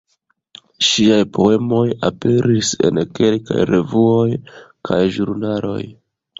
Ŝiaj poemoj aperis en kelkaj revuoj kaj ĵurnaloj.